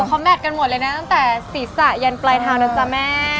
เขาแมทกันหมดเลยนะตั้งแต่ศีรษะยันปลายทางนะจ๊ะแม่